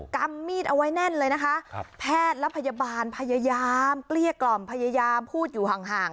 กำมีดเอาไว้แน่นเลยนะคะแพทย์และพยาบาลพยายามเกลี้ยกล่อมพยายามพูดอยู่ห่าง